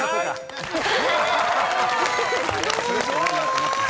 すごーい！